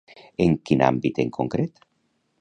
En quin àmbit en concret?